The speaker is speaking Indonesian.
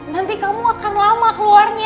nanti kamu akan lama keluarnya